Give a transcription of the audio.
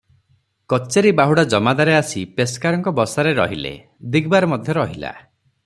କଚେରି ବାହୁଡ଼ା ଜମାଦାରେ ଆସି ପେସ୍କାରଙ୍କ ବସାରେ ରହିଲେ, ଦିଗବାର ମଧ୍ୟ ରହିଲା ।